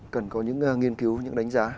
cần có những nghiên cứu những đánh giá